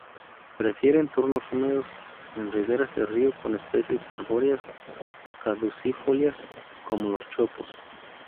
Prefiere entornos húmedos, en riberas de río, con especies arbóreas caducifolias como los chopos.